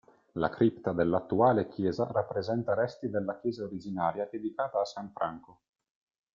La cripta dell'attuale chiesa rappresenta resti della chiesa originaria dedicata a San Franco.